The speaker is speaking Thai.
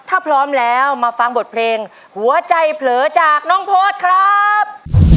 ถ้าพร้อมแล้วมาฟังบทเพลงหัวใจเผลอจากน้องโพสครับ